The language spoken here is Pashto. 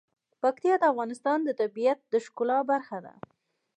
پکتیا د افغانستان د طبیعت د ښکلا برخه ده.